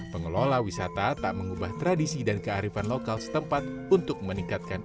pengelola wisata tak mengubah tradisi dan kearifan lokal setempat untuk meningkatkan